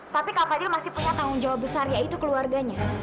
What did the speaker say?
tapi kak fadil masih punya tanggung jawab besar yaitu keluarganya